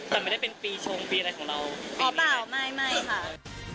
แต่ไม่ได้เป็นปีชงปีอะไรของเราอ๋อเปล่าไม่ไม่ค่ะ